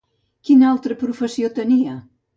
Quina altra professió tenia?